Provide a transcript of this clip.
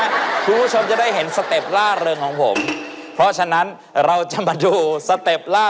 คุณผู้ชมจะได้เห็นสเต็ปล่าเริงของผมเพราะฉะนั้นเราจะมาดูสเต็ปล่า